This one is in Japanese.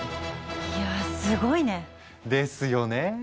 いやぁすごいね。ですよね。